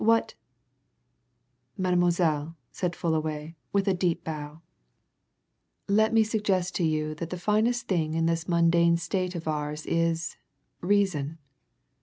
What " "Mademoiselle," said Fullaway, with a deep bow, "let me suggest to you that the finest thing in this mundane state of ours is reason.